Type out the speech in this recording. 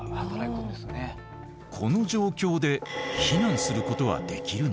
この状況で避難することはできるのか。